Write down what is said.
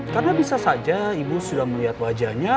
karena bisa saja ibu sudah melihat wajahnya